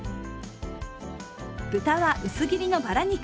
豚は薄切りのバラ肉。